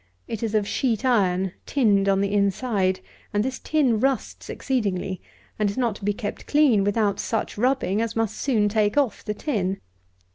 It is of sheet iron, tinned on the inside, and this tin rusts exceedingly, and is not to be kept clean without such rubbing as must soon take off the tin.